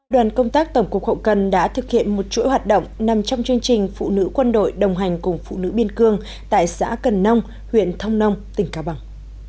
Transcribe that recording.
đoàn công tác tổng cục hậu cần đã thực hiện một chuỗi hoạt động nằm trong chương trình phụ nữ quân đội đồng hành cùng phụ nữ biên cương tại xã cần nông huyện thông nông tỉnh cao bằng